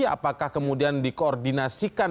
apakah kemudian di koordinasikan